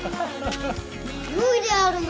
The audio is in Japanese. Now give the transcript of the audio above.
良いであるな。